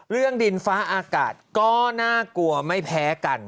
ดินฟ้าอากาศก็น่ากลัวไม่แพ้กัน